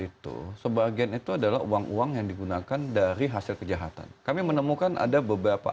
itu sebagian itu adalah uang uang yang digunakan dari hasil kejahatan kami menemukan ada beberapa